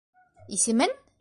Исемен?!